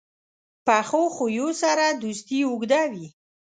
پخو خویو سره دوستي اوږده وي